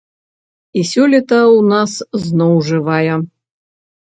І сёлета ў нас зноў жывая.